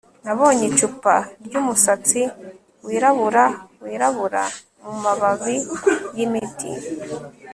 Nabonye icupa ryumusatsi wirabura wirabura mumababi yimiti